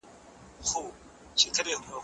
زه به سبا د کتابتوننۍ سره مرسته کوم،